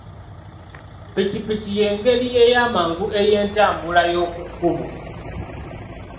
Ppikipiki y'engeri eyamangu ey'entambula y'oku kkubo.